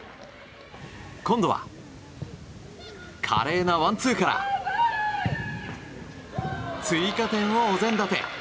今度は、華麗なワンツーから追加点を御膳立て。